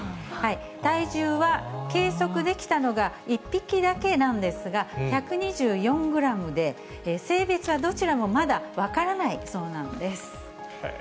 体重は計測できたのが１匹だけなんですが、１２４グラムで、性別はどちらもまだ分からないそうなんです。